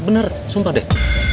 bener sumpah deh